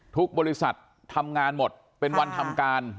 บริษัททำงานหมดเป็นวันทำการ